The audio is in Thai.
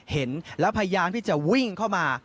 เห็นแล้วพยายามที่จะวิ่งเข้ามา